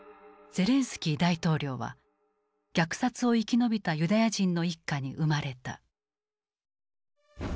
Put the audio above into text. ゼレンスキー大統領は虐殺を生き延びたユダヤ人の一家に生まれた。